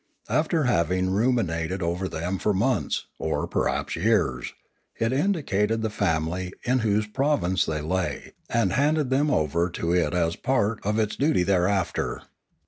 After having ruminated over them for months, or perhaps years, it indicated the family in whose province they lay, and handed them over to it as part of its duty thereafter.